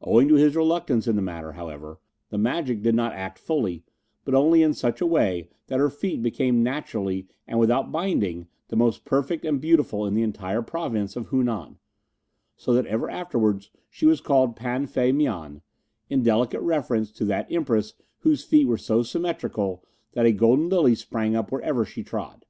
Owing to his reluctance in the matter, however, the magic did not act fully, but only in such a way that her feet became naturally and without binding the most perfect and beautiful in the entire province of Hu Nan, so that ever afterwards she was called Pan Fei Mian, in delicate reference to that Empress whose feet were so symmetrical that a golden lily sprang up wherever she trod.